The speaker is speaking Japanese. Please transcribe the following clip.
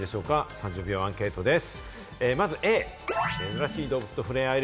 ３０秒アンケートです。